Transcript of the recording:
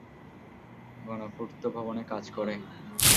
গণপূর্ত ভবনে কাজ করে।